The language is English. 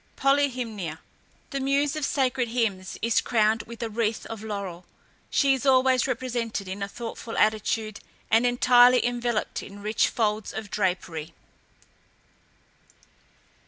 POLYHYMNIA, the muse of Sacred Hymns, is crowned with a wreath of laurel. She is always represented in a thoughtful attitude, and entirely enveloped in rich folds of drapery.